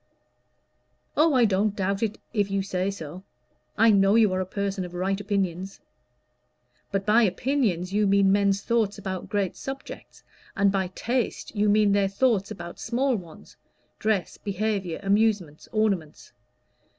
"Oh, I don't doubt it if you say so. I know you are a person of right opinions." "But by opinions you mean men's thoughts about great subjects, and by taste you mean their thoughts about small ones: dress, behavior, amusements, ornaments."